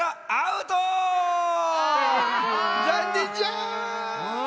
ざんねんじゃ。